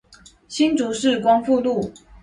新竹市光復路